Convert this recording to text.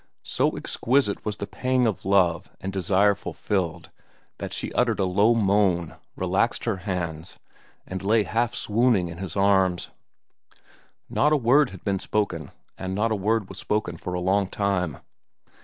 So exquisite was the pang of love and desire fulfilled that she uttered a low moan, relaxed her hands, and lay half swooning in his arms. Not a word had been spoken, and not a word was spoken for a long time.